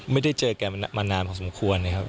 ไม่ได้เจอแกมานานพอสมควรนะครับ